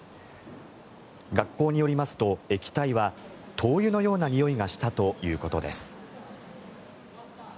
学校によりますと液体は灯油のようなにおいがしたということです。